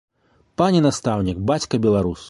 Пане настаўнік, бацька беларус!